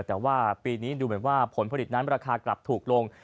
แต่ว่าปีนี้ดูเหมือนว่าผลผลิตนั้นราคากลับถูกลง